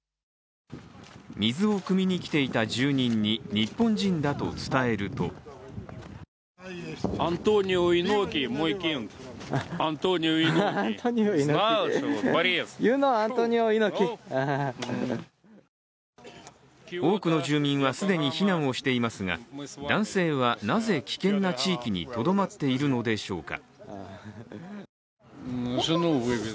水をくみに来ていた住人に日本人だと伝えると多くの住民は既に避難をしていますが男性はなぜ、危険な地域にとどまっているのでしょうか。